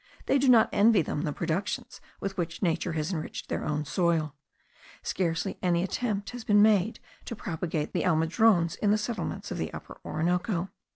They do not envy them the productions with which nature has enriched their own soil. Scarcely any attempt has been made to propagate the almendrones in the settlements of the Upper Orinoco.